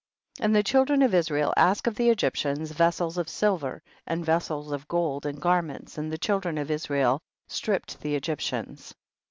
And the children of Israel asked of the Egyptians, vessels of silver, and vessels of gold, and gar ments, and the children of Israel stripped the Egyptians.